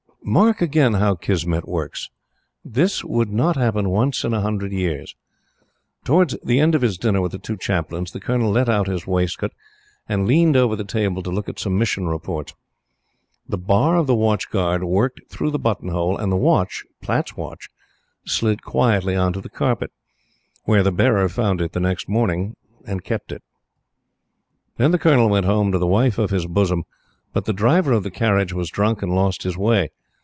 Mark again how Kismet works! This would not happen once in a hundred years. Towards the end of his dinner with the two Chaplains, the Colonel let out his waistcoat and leaned over the table to look at some Mission Reports. The bar of the watch guard worked through the buttonhole, and the watch Platte's watch slid quietly on to the carpet. Where the bearer found it next morning and kept it. Then the Colonel went home to the wife of his bosom; but the driver of the carriage was drunk and lost his way.